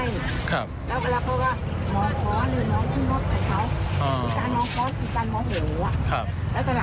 แล้วอีกวันก็มองข้อหรือน้องพี่โม่ดกับเขา